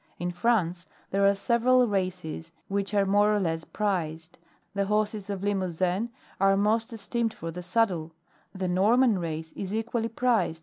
In France, there are several races which are more or less prized; the horses of Limousin are most esteemed for the saddle; the Norman race is equally prized, 15.